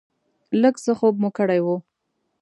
لږ څه خوب مو کړی و.